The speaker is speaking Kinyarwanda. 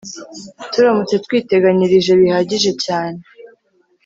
Turamutse twiteganyirije bihagije cyane